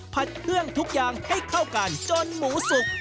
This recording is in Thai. ผัดเครื่องทุกอย่างให้เข้ากันจนหมูสุก